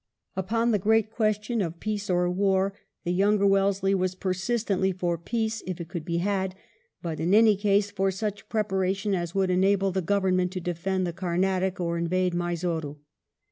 Upon the great question of peace or war the younger Wellesley was persistently for peace, if it could be had ; but in any case for such preparation as would enable the Government to defend the Camatic or invade Mysore.